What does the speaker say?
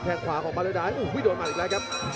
แทงขวาของบัตรดายโอ้โหโดดมาอีกแล้วครับ